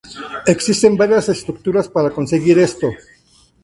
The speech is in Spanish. Existen varias estructuras para conseguir esto.